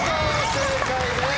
正解です！